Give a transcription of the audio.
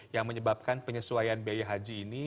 yang menyebabkan penyesuaian biaya haji ini